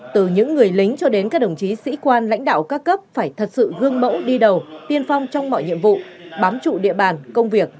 từ những người lính cho đến các đồng chí sĩ quan lãnh đạo các cấp phải thật sự gương mẫu đi đầu tiên phong trong mọi nhiệm vụ bám trụ địa bàn công việc